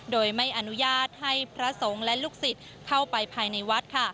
โดยไม่อนุญาตให้พระสงฆ์และลูกศิษย์เข้าไปภายในวัดค่ะ